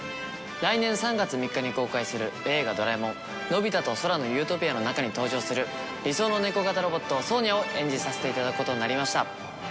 来年３月３日に公開する『映画ドラえもんのび太と空の理想郷』の中に登場する理想のネコ型ロボットソーニャを演じさせていただくことになりました。